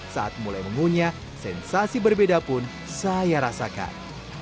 saat mulai mengunyah sensasi berbeda pun saya rasakan